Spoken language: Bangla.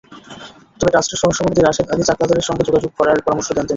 তবে ট্রাস্টের সহসভাপতি রাশেদ আলী চাকলাদারের সঙ্গে যোগাযোগ করার পরামর্শ দেন তিনি।